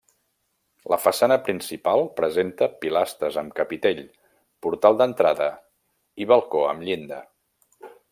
La façana principal presenta pilastres amb capitell, portal d'entrada i balcó amb llinda.